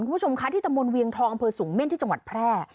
คุณผู้ชมคะที่ตำบลเวียงทองอำเภอสูงเม่นที่จังหวัดแพร่